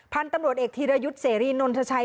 พันธุ์ตำรวจเอกธีรยุทธ์เสรีนนทชัย